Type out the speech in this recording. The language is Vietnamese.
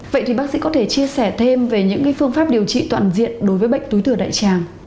vậy thì bác sĩ có thể chia sẻ thêm về những phương pháp điều trị toàn diện đối với bệnh túi thừa đại tràng